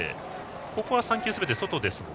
ここは３球すべて外。